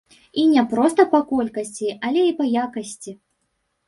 І не проста па колькасці, але і па якасці.